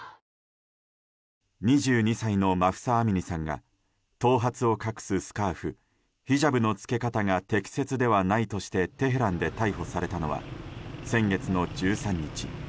２２歳のマフサ・アミニさんが頭髪を隠すスカーフヒジャブの着け方が適切ではないとしてテヘランで逮捕されたのは先月の１３日。